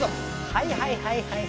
はいはいはいはい。